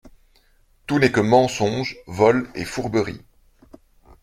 Tout n’est que mensonge, vol et fourberie !…